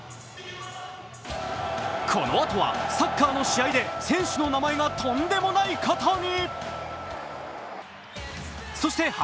このあとはサッカーの試合で選手の名前がとんでもないことに。